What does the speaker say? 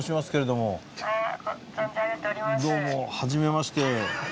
どうもはじめまして。